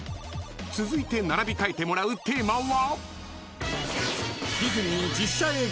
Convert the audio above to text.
［続いて並び替えてもらうテーマは？］